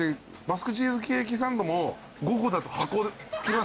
バスクチーズケーキサンドも５個だと箱付きます？